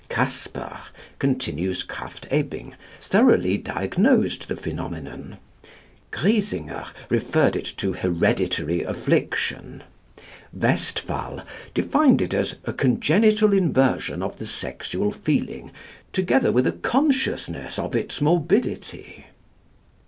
Casper, continues Krafft Ebing, thoroughly diagnosed the phenomenon. Griesinger referred it to hereditary affliction. Westphal defined it as "a congenital inversion of the sexual feeling, together with a consciousness of its morbidity."